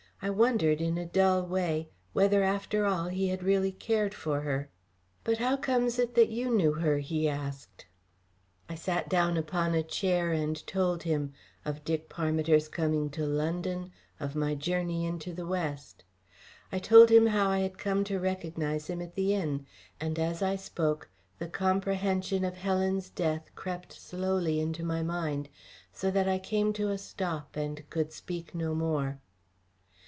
I wondered, in a dull way, whether after all he had really cared for her. "But how comes it that you knew her?" he asked. I sat down upon a chair and told him of Dick Parmiter's coming to London, of my journey into the West. I told him how I had come to recognise him at the inn; and as I spoke the comprehension of Helen's death crept slowly into my mind, so that I came to a stop and could speak no more.